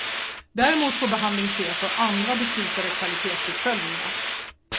Däremot får behandling ske för andra beslutade kvalitetsuppföljningar.